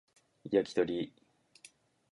焼き鳥